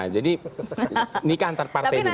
jadi nikah antar partai dulu